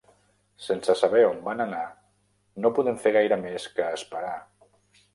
Sense saber on van anar, no podem fer gaire més que esperar.